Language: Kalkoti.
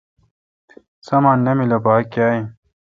سامان نامل اؘ باگ کیااین۔